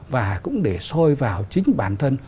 và cũng để soi vào chính bản thân